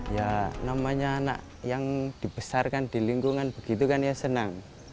ya namanya anak yang dibesarkan di lingkungan begitu kan ya senang